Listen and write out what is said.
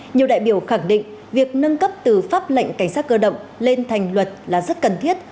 nhiều đại biểu khẳng định việc nâng cấp từ pháp lệnh cảnh sát cơ động lên thành luật là rất cần thiết